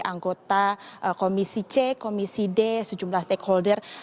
anggota komisi c komisi d sejumlah stakeholder